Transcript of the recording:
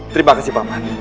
terima kasih paman